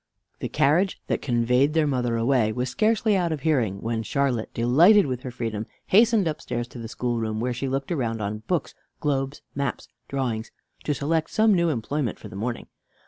The carriage that conveyed their mother away was scarcely out of hearing, when Charlotte, delighted with her freedom, hastened upstairs to the schoolroom, where she looked around on books, globes, maps, drawings, to select some new employment for the morning.